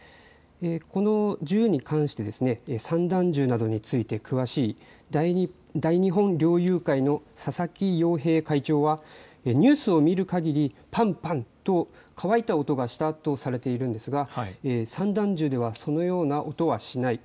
この銃に関して散弾銃などについて詳しい大日本猟友会の佐々木洋平会長はニュースを見るかぎりパンパンと乾いた音がしたとされているんですが散弾銃ではそのような音はしない。